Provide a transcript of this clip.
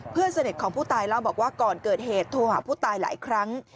เพื่อนสนิทของผู้ตายเล่าบอกว่าก่อนเกิดเหตุโทรหาผู้ตายหลายครั้ง